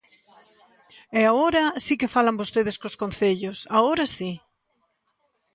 E agora si que falan vostedes cos concellos, ¡agora si!